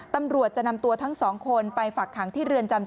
ตำรวจจะนำตัวทั้งสองคนไปฝักขังที่เรือนจำ